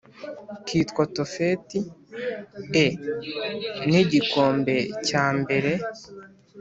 kwitwa Tofeti e n igikombe cyambere